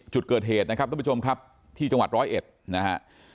จุดเกิดเหตุนะครับทุกผู้ชมครับที่จังหวัดร้อยเอ็ดนะฮะ